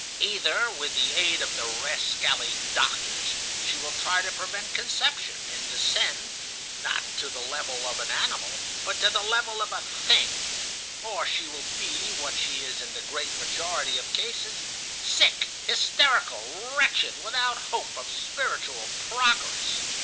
Either, with the aid of the rascally doctors, she will try to prevent conception, and descend, not to the level of an animal, but to the level of a thing; or she will be what she is in the great majority of cases,—sick, hysterical, wretched, without hope of spiritual progress."